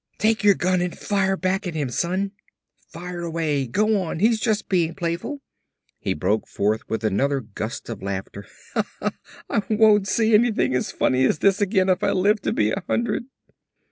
"Take your gun and fire back at him, son. Fire away! Go on, he's just being playful!" He broke forth with another gust of laughter. "I won't see anything as funny as this again if I live to be a hundred!"